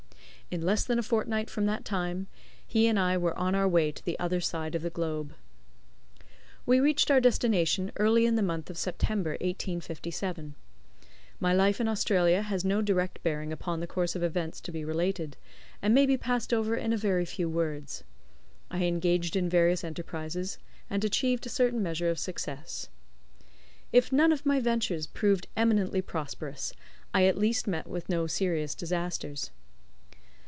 In less than a fortnight from that time he and I were on our way to the other side of the globe. We reached our destination early in the month of September, 1857. My life in Australia has no direct bearing upon the course of events to be related, and may be passed over in a very few words. I engaged in various enterprises, and achieved a certain measure of success. If none of my ventures proved eminently prosperous, I at least met with no serious disasters.